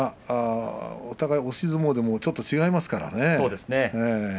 お互い押し相撲でもちょっと違いますからね。